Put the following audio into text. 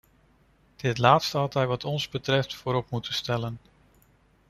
Dit laatste had hij wat ons betreft voorop moeten stellen.